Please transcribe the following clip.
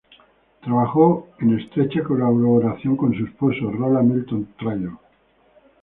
Trabajó en estrecha colaboración con su esposo Rolla Milton Tryon.